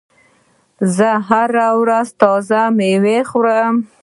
زه هره ورځ تازه مېوه خورم.